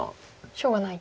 しょうがない。